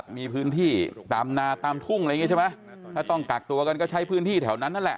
คุณหมอก็คงมองว่า